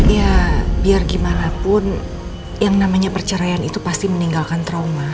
ya biar gimana pun yang namanya perceraian itu pasti meninggalkan trauma